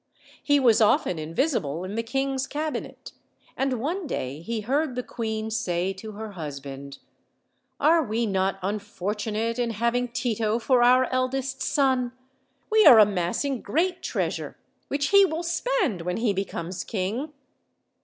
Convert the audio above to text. He was often invisible in the king's cabinet, and one day he heard the queen say to her husband, "Are we net unfortunate in having Tito for our eldest son! We are amassing great treasure, which he will spend when he be comes king.